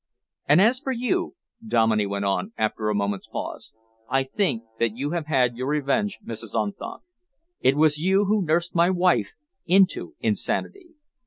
And as for you," Dominey went on, after a moment's pause, "I think that you have had your revenge, Mrs. Unthank. It was you who nursed my wife into insanity.